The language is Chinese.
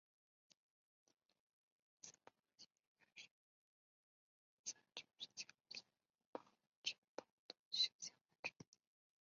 卢森堡的信史开始于在中世纪卢森堡城堡的修建完成。